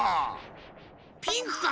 ピンクか？